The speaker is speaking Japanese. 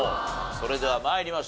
それでは参りましょう。